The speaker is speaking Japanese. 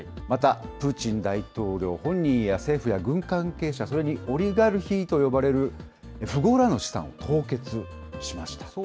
またプーチン大統領本人や政府や軍関係者、それにオリガルヒと呼ばれる富豪らの資産を凍結しました。